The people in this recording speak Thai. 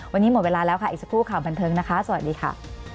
วันนี้หมดเวลาแล้วค่ะอีกสักครู่ข่าวบันเทิงนะคะสวัสดีค่ะ